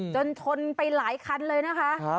จนชนไปหลายคันเลยนะคะ